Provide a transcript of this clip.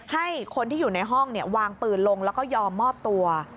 ให้คนที่อยู่ในห้องวางปืนลงแล้วก็ยอมมอบตัว